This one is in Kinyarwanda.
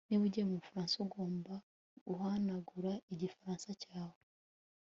Niba ugiye mu Bufaransa ugomba guhanagura igifaransa cyawe